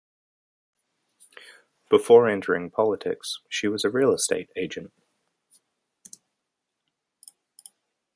Before entering politics, she was a real estate agent.